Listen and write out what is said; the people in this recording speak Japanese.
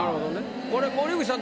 これ森口さん